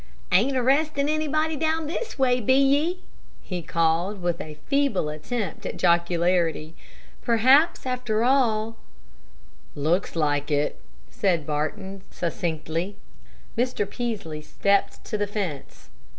"Ain't arrestin' anybody down this way, be ye?" he called, with a feeble attempt at jocularity. Perhaps, after all "Looks like it," said Barton, succinctly. Mr. Peaslee stepped to the fence.